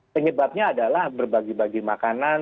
penyebabnya adalah berbagi bagi makanan